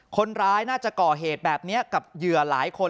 คนร้ายน่าจะก่อเหตุแบบนี้กับเหยื่อหลายคน